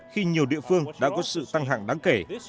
khi nhiều địa phương đã có sự tăng hạng đáng kể